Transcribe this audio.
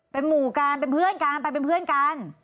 เป็นหมู่กันเป็นเพื่อนกัน